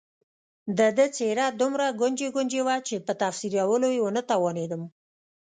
د ده څېره دومره ګونجي ګونجي وه چې په تفسیرولو یې ونه توانېدم.